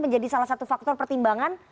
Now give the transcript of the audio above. menjadi salah satu faktor pertimbangan